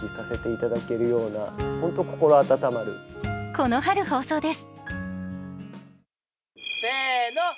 この春放送です。